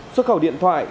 xuất khẩu điện thoại